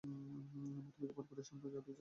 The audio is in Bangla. মধ্যবিত্ত পরিবারের সন্তান যাদবের জন্ম পুনেতে।